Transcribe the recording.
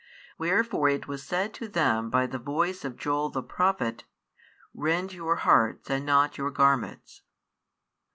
Wherefore it was said to them by the voice of Joel the Prophet: Rend your hearts and not your garments.